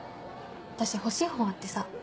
私欲しい本あってさ。